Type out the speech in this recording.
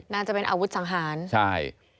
น่าจะเป็นอาวุธสังหารใช่